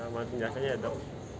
mau ngejelasnya ya dok